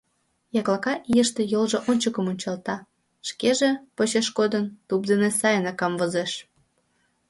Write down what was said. Яклака ийыште йолжо ончыко мунчалта, шкеже, почеш кодын, туп дене сайынак камвозеш.